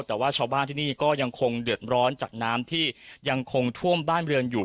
แต่ว่าชาวบ้านที่นี่ก็ยังคงเดือดร้อนจากน้ำที่ยังคงท่วมบ้านเรือนอยู่